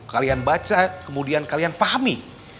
kalian baca kemudian kalian pahami